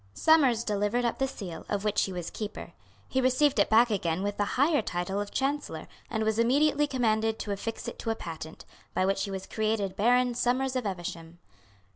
Somers delivered up the seal, of which he was Keeper; he received it back again with the higher title of Chancellor, and was immediately commanded to affix it to a patent, by which he was created Baron Somers of Evesham.